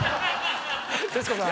徹子さん